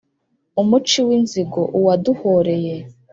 umuci w’inzigo: uwaduhoreye